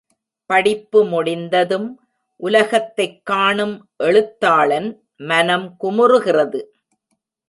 படிப்பு முடிந்ததும் உலகத்தைக் காணும் எழுத்தாளன் மனம் குமுறுகிறது.